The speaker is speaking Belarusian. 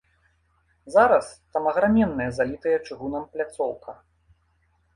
Зараз там аграменная залітая чыгунам пляцоўка.